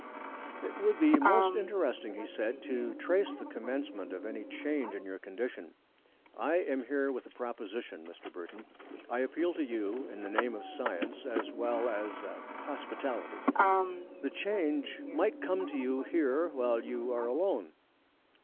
"It would be most interesting," he said, "to trace the commencement of any change in your condition. I am here with a proposition, Mr. Burton. I appeal to you in the name of science as well as er hospitality. The change might come to you here while you are alone.